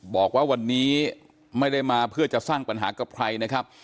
บอกว่าวันนี้ไม่ได้มาเพื่อจะสร้างปัญหากับใครนะครับ